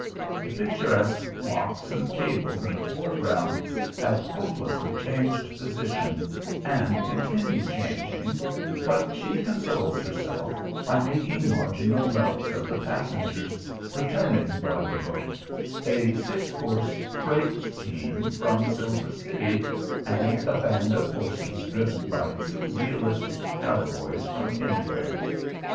The picturesque blocks and cables in the foreground have hopelessly changed position, and continue changing; but she consoles herself by making marginal notes of the passengers returning by the boat, a six horse freight team from Silver City, and a band of horses driven by two realistic cow boys from anywhere.